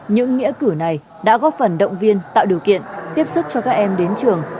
những nghĩa cử này đã góp phần động viên tạo điều kiện tiếp sức cho các em đến trường